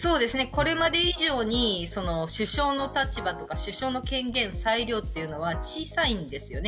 これまで以上に首相の立場とか首相の権限、裁量というのは小さいんですよね